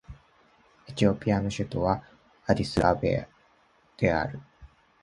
エチオピアの首都はアディスアベバである